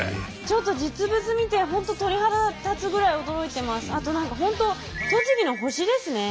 ちょっと実物見て本当鳥肌立つぐらい驚いてます。